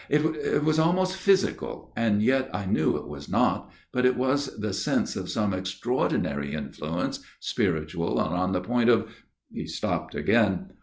" It was almost physical, and yet I knew it was not, but it was the sense of some extraordinary influence, spiritual and on the point of " he stopped again.